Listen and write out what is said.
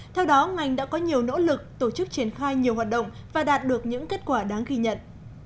theo đó ngành đã có nhiều nỗ lực tổ chức triển khai nhiều hoạt động và đạt được những kết quả đáng ghi nhận